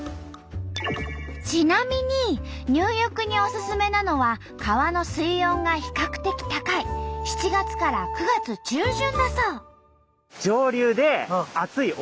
ちなみに入浴におすすめなのは川の水温が比較的高い７月から９月中旬だそう。